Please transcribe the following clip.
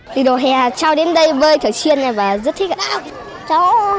từ đầu hè cho đến đây bơi thử chuyên và rất thích